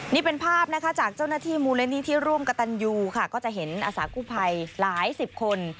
นี้เป็นภาพจากเจ้าหน้าที่หมู่เร่นนี้ที่ร่วมกับตัลยูค่ะก็จะเห็นอสากภัยหลายสิบคน